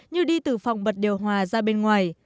như đi từ phòng bật điều hòa ra bên ngoài